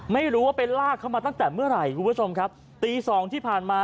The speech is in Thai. ไม่รู้ว่าไปลากเขามาตั้งแต่เมื่อไหร่คุณผู้ชมครับตีสองที่ผ่านมา